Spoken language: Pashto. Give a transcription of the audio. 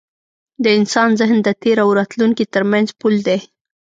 د انسان ذهن د تېر او راتلونکي تر منځ پُل دی.